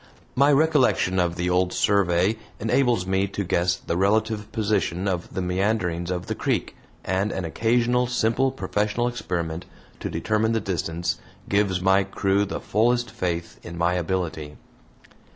My recollection of the old survey enables me to guess the relative position of the meanderings of the creek, and an occasional simple professional experiment to determine the distance gives my crew the fullest faith in my ability.